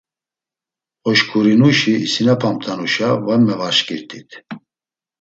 Oşǩurinuşi isinapamt̆anuşa var mevaşǩirt̆it.